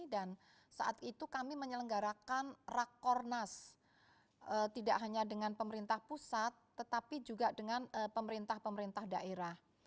dan saat itu kami menyelenggarakan rakornas tidak hanya dengan pemerintah pusat tetapi juga dengan pemerintah pemerintah daerah